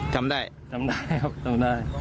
จำได้จำได้ครับจำได้